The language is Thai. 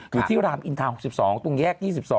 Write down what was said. อยู่ที่รามอินทา๖๒ตรงแยก๒๒